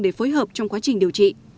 để phối hợp trong quá trình điều trị